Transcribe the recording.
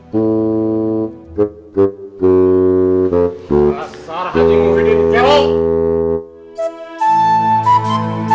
rasar haji gua jadi dukia